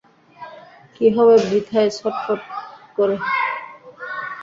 কী হবে বৃথ্যায ছটফট করে।